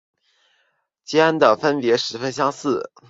间的分别十分相似。